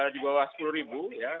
di bawah sepuluh ya